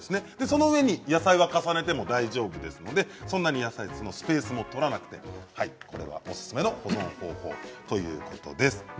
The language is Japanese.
その上に野菜を重ねても大丈夫ですのでそんなに野菜室のスペースも取らなくてこれは、おすすめの方法ということです。